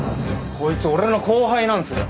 こいつ俺の後輩なんすよ。